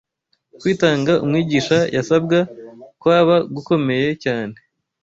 Kwitanga umwigisha yasabwa kwaba gukomeye cyane,